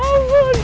ampun ampun kek